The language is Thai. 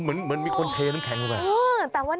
เหมือนเหมือนมีคนเทน้ำแข็งมาแบบนี้